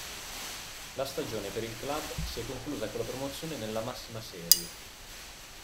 La stagione per il club si è conclusa con la promozione nella massima serie.